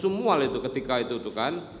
semua ketika itu kan